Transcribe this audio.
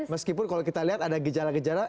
meskipun kalau kita lihat ada gejala gejala